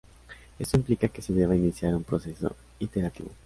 Esto implica que se deba iniciar un proceso iterativo.